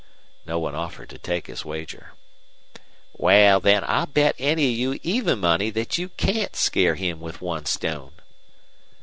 No one offered to take his wager. "Wal, then, I'll bet any of you even money thet you CAN'T scare him with one stone."